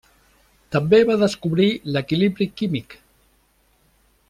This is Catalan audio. També va descobrir l'equilibri químic.